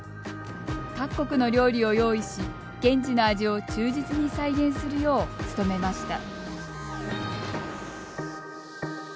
各国の料理を用意し現地の味を忠実に再現するよう努めました。